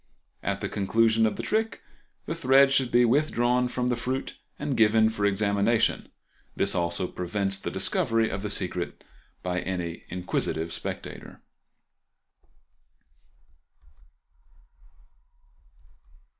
At the conclusion of the trick the thread should be withdrawn from the fruit and given for examination; this also prevents the discovery of the secret by any inquisitive spectator.